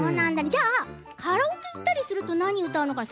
じゃあカラオケ行ったりすると何を歌うのかな？